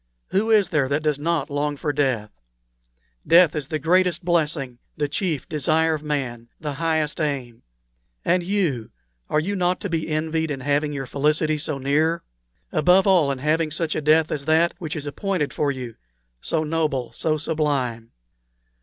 Who is there that does not long for death? Death is the greatest blessing, the chief desire of man the highest aim. And you are you not to be envied in having your felicity so near? above all, in having such a death as that which is appointed for you so noble, so sublime?